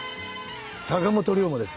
坂本龍馬です。